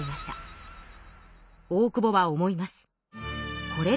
大久保は思います。